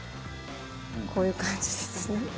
こういう感じですね。